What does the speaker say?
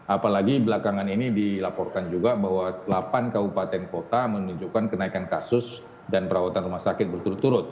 apalagi belakangan ini dilaporkan juga bahwa delapan kabupaten kota menunjukkan kenaikan kasus dan perawatan rumah sakit berturut turut